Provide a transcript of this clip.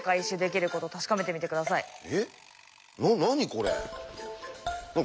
これ。